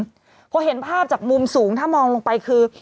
เพราะเห็นภาพจากมุมสูงถ้ามองลงไปคือ